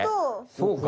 そうか？